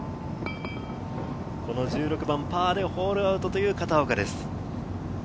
１６番、パーでホールアウトという片岡です。